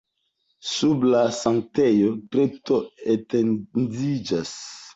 Sub la sanktejo kripto etendiĝas.